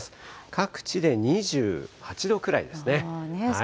各地で２８度くらいですね。